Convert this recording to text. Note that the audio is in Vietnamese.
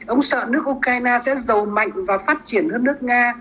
ông sợ nước ukraine sẽ giàu mạnh và phát triển hơn nước nga